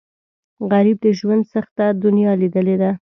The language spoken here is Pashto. غریب د ژوند سخته دنیا لیدلې ده